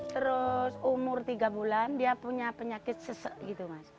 terus umur tiga bulan dia punya penyakit sesek gitu mas